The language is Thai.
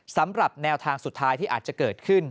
สำหรับแนวทางสุดท้ายที่อาจจะเกิดขึ้น